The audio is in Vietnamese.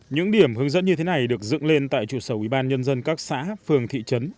những điểm hướng dẫn như thế này được dựng lên tại trụ sở ubnd các xã phường thị trấn